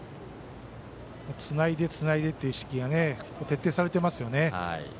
つないでつないでっていう意識が徹底されていますよね。